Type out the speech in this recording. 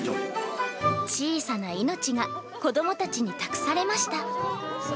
小さな命が子どもたちに託されました。